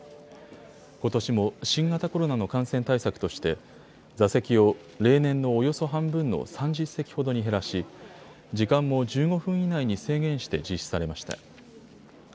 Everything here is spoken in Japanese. ことしも新型コロナの感染対策として座席を例年のおよそ半分の３０席ほどに減らし時間も１５分以内に制限して実施されました。